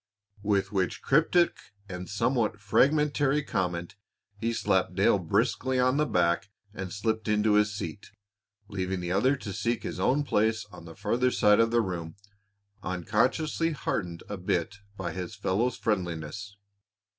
With which cryptic and somewhat fragmentary comment, he slapped Dale briskly on the back and slipped into his seat, leaving the other to seek his own place on the farther side of the room, unconsciously heartened a bit by his fellow's friendliness.